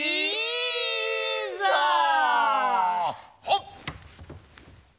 はっ！